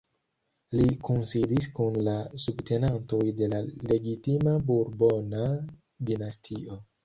Li kunsidis kun la subtenantoj de la legitima burbona dinastio.